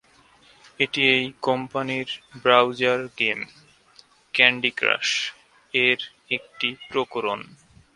এটি এই কোম্পানির ব্রাউজার গেম "ক্যান্ডি ক্রাশ"-এর একটি প্রকরণ।